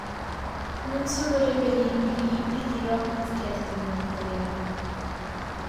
Non sono reperibili libri di Robin Skelton in italiano.